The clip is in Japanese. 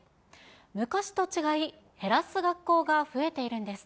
昔と違い、減らす学校が増えているんです。